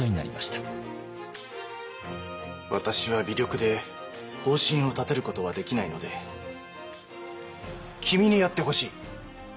私は微力で方針を立てることはできないので君にやってほしい。